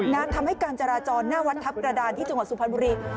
ทำให้การจราจรหน้าวัดทัพกระดานที่จังหวัดสุพรรณบุรี